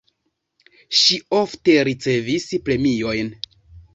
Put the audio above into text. Ŝi ofte ricevis premiojn.